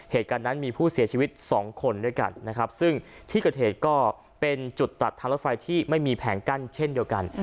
เหตุการณ์นั้นมีผู้เสียชีวิตสองคนด้วยกันนะครับซึ่งที่เกิดเหตุก็เป็นจุดตัดทางรถไฟที่ไม่มีแผงกั้นเช่นเดียวกัน